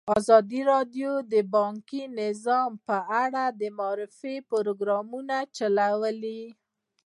ازادي راډیو د بانکي نظام په اړه د معارفې پروګرامونه چلولي.